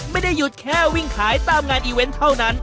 ไม่ได้หยุดแค่วิ่งขายตามงานอีเวนต์เท่านั้น